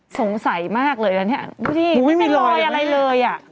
สงสัยมากเลยดูสิไม่มีลอยอะไรเลย